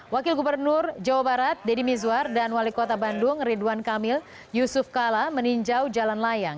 wakil gubernur jawa barat deddy mizwar dan wali kota bandung ridwan kamil yusuf kala meninjau jalan layang